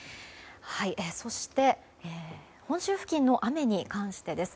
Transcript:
そして本州付近の雨に関してです。